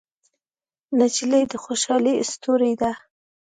نجلۍ د خوشحالۍ ستورې ده.